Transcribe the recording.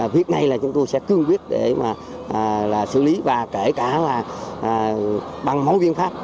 việc này là chúng tôi sẽ cương quyết để mà là xử lý và kể cả là bằng mẫu biện pháp